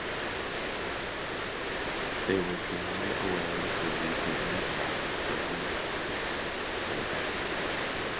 They were drawn away to League One side Burton Albion in the second round.